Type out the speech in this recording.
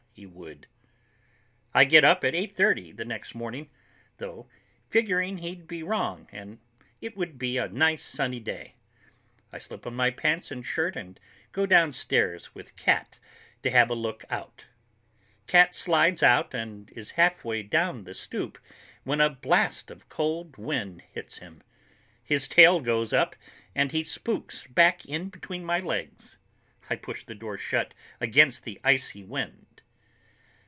He would. I get up at eight thirty the next morning, though, figuring he'd be wrong and it would be a nice sunny day. I slip on my pants and shirt and go downstairs with Cat to have a look out. Cat slides out and is halfway down the stoop when a blast of cold wind hits him. His tail goes up and he spooks back in between my legs. I push the door shut against the icy wind.